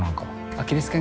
アキレス腱？